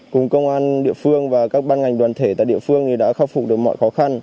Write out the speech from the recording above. cùng công an địa phương và các ban ngành đoàn thể tại địa phương đã khắc phục được mọi khó khăn